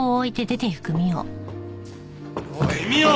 おい美央！